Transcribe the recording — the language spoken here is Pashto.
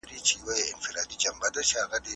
موږ ټول یو بدن یو.